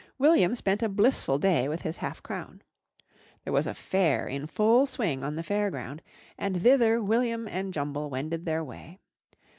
William spent a blissful day with his half crown. There was a fair in full swing on the fair ground, and thither William and Jumble wended their way.